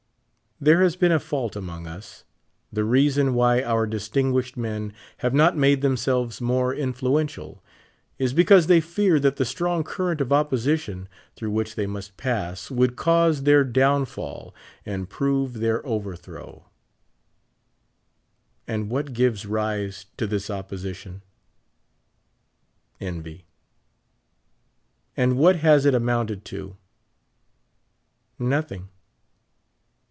There has been a fault among us. The reason why our distinguished men have not made themselves more influential, is be cause they fear that the strong current of opposition through which they must pass would cause their down fall and prove their overthrow. And what gives rise to this opposition? Envy. And what has it amounted to? Nothing.